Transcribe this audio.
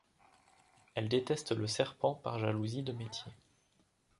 Elle déteste le serpent par jalousie de métier.